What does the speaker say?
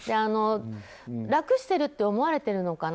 楽してるって思われてるのかな。